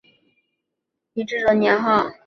麟德是唐高宗李治的年号。